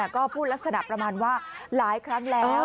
ก็พูดลักษณะประมาณว่าหลายครั้งแล้ว